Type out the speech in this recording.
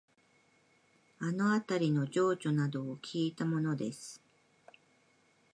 あのあたりの情緒などをきいたものです